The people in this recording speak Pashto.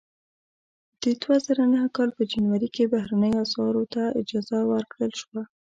د دوه زره نهه کال په جنوري کې بهرنیو اسعارو ته اجازه ورکړل شوه.